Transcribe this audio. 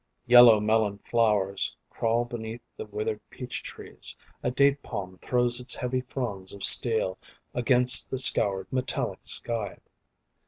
Yellow melon flowers Crawl beneath the withered peach trees; A date palm throws its heavy fronds of steel Against the scoured metallic sky.